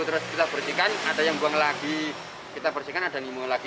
terus kita bersihkan ada yang buang lagi kita bersihkan ada nemo lagi